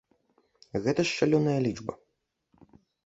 Гэта ж шалёная лічба.